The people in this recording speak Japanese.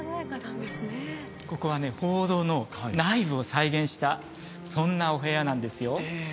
ここはね鳳凰堂の内部を再現したそんなお部屋なんですよへえ！